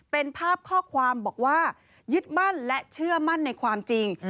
เป็นภาพข้อความบอกว่ายึดมั่นและเชื่อมั่นในความจริง